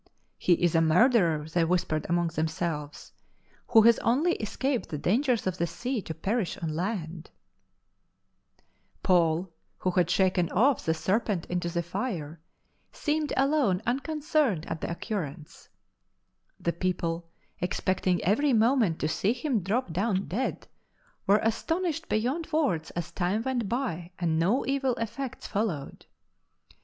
" He is a murderer," they whispered amongst themselves, " who has only escaped the dangers of the sea to perish on land." II4 LIFE OF ST. PAUL Paul, who had shaken off the serpent into the fire, seemed alone unconcerned at the occurrence. The people, expecting every moment to see him drop down dead, were astonished beyond words as time went by and no evil effects followed.